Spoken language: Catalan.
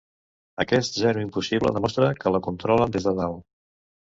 Aquest zero impossible demostra que la controlen des de dalt.